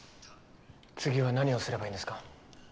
次は何をすればいいんですか？